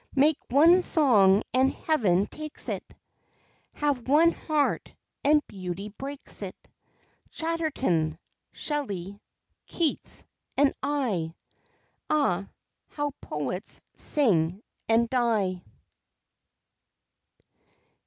Make one song and Heaven takes it; Have one heart and Beauty breaks it; Chatterton, Shelley, Keats and I Ah, how poets sing and die!